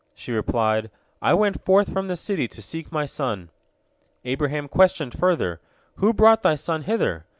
She replied, "I went forth from the city to seek my son." Abraham questioned further, "Who brought thy son hither?"